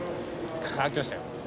きましたよ。